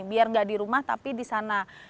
biar nggak di rumah tapi di sana